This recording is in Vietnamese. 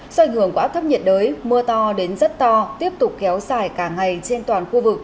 do ảnh hưởng của áp thấp nhiệt đới mưa to đến rất to tiếp tục kéo dài cả ngày trên toàn khu vực